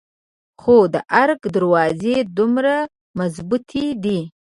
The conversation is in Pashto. خو د ارګ دروازې دومره مظبوتې دي.